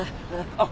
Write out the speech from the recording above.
あっ！